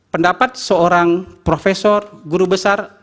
pendapat seorang profesor guru besar